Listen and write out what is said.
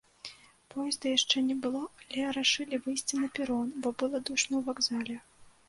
Поезда яшчэ не было, але рашылі выйсці на перон, бо было душна ў вакзале.